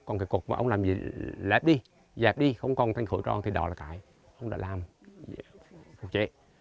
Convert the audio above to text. còn cái cột mà ông làm gì lép đi dẹp đi không còn thanh khổ tròn thì đó là cái ông đã làm phục trễ